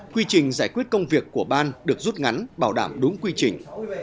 quy trình giải quyết công việc của ban được rút ngắn bảo đảm đúng quy trình